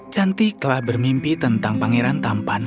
cantik telah bermimpi tentang pangeran tampan